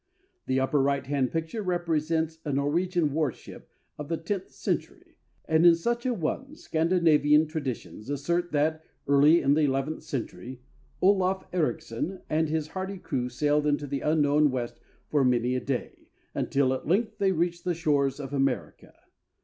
The upper right hand picture represents a Norwegian war ship of the tenth century, and in such a one Scandinavian traditions assert that, early in the eleventh century, Olaf Ericsson and his hardy crew sailed into the unknown west for many a day, until at length they reached the shores of America.